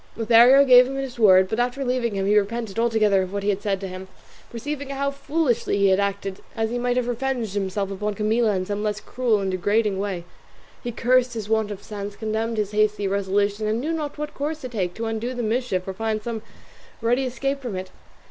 Lothario gave him his word, but after leaving him he repented altogether of what he had said to him, perceiving how foolishly he had acted, as he might have revenged himself upon Camilla in some less cruel and degrading way. He cursed his want of sense, condemned his hasty resolution, and knew not what course to take to undo the mischief or find some ready escape from it.